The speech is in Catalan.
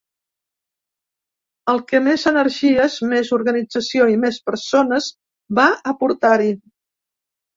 El que més energies, més organització i més persones va aportar-hi.